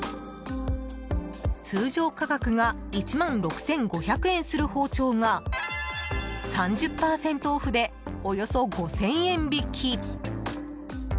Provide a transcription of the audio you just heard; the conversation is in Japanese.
通常価格が１万６５００円する包丁が３０％オフでおよそ５０００円引き。